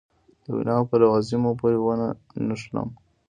د ویناوو په لوازمو پورې ونه نښلم.